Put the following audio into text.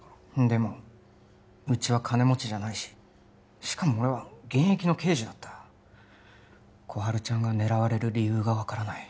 でもうちは金持ちじゃないししかも俺は現役の刑事だった心春ちゃんが狙われる理由が分からない